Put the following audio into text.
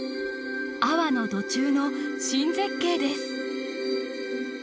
阿波の土柱の新絶景です。